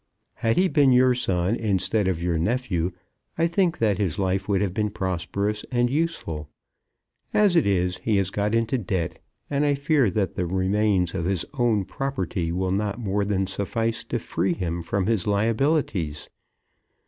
Had he been your son instead of your nephew, I think that his life would have been prosperous and useful. As it is, he has got into debt, and I fear that the remains of his own property will not more than suffice to free him from his liabilities.